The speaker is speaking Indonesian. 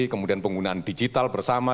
kemudian penggunaan digital bersama